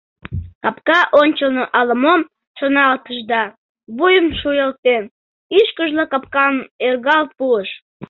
Капка ончылно ала-мом шоналтыш да, вуйым шуялтен, ӱшкыжла капкам ӧргал пуыш.